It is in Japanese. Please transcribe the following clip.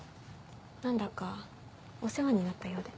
何だかお世話になったようで。